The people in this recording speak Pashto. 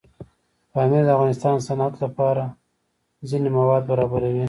پامیر د افغانستان د صنعت لپاره ځینې مواد برابروي.